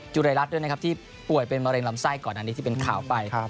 รายรัฐด้วยนะครับที่ป่วยเป็นมะเร็งลำไส้ก่อนอันนี้ที่เป็นข่าวไป